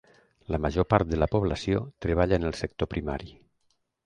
La major part de la població treballa en el sector primari.